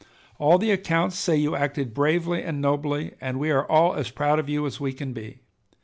"All the accounts say you acted bravely and nobly, and we are all as proud of you as we can be.